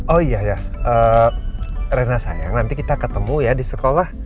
oh iya ya rena sayang nanti kita ketemu ya di sekolah